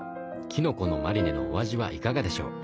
きのこのマリネのお味はいかがでしょう？